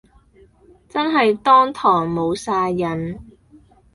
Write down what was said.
真係當堂無哂癮